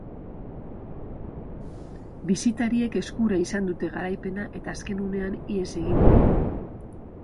Bisitariek eskura izan dute garaipena, eta azken unean ihes egin die.